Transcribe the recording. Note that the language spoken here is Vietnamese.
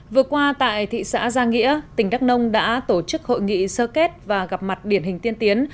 vừa qua tại thị xã giang nghĩa tỉnh đắk nông đã tổ chức hội nghị sơ kết và gặp mặt điển hình tiên tiến